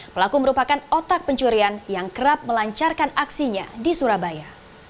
pelaku merupakan otak pencurian yang kerap melancarkan aksinya di surabaya